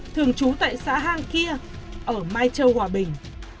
thường trú tại xã hang kia ở mai châu hòa bình